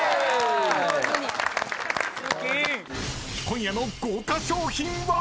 ［今夜の豪華賞品は⁉］